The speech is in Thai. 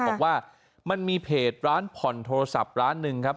บอกว่ามันมีเพจร้านผ่อนโทรศัพท์ร้านหนึ่งครับ